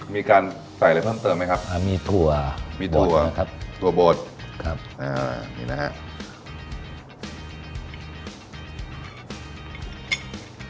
มีการใส่อะไรเพิ่มเติมไหมครับมีถั่วมีถั่วครับถั่วบดครับอ่านี่นะครับ